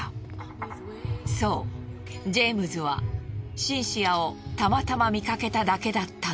そうジェームズはシンシアをたまたま見かけただけだったのだ。